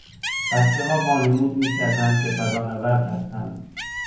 بچهها وانمود میکردند که فضانورد هستند.